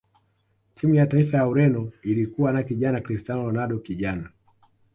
timu ya taifa ya ureno ilikuwa na kijana cristiano ronaldo kijana